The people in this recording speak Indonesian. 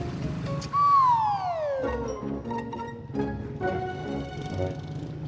perkan m positif